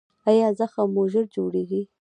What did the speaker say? ایا زخم مو ژر جوړیږي؟